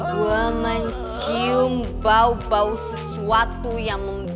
gue mencium bau bau sesuatu yang